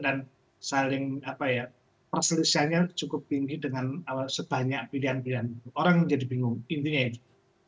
dan perselisihannya cukup tinggi dengan sebanyak pilihan pilihan itu orang menjadi bingung intinya itu